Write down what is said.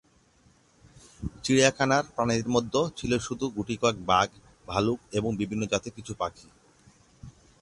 চিড়িয়াখানার প্রাণীদের মধ্যে ছিল শুধু গুটিকয়েক বাঘ, ভালুক এবং বিভিন্ন জাতের কিছু পাখি।